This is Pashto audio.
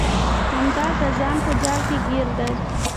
ممتاز د ځان په جال کې ګیر دی